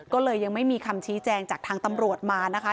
ก็เลยยังไม่มีคำชี้แจงจากทางตำรวจมานะคะ